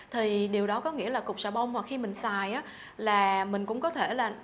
thì điều đó có nghĩa là cục sà bông mà khi mình xài á là mình cũng có thể là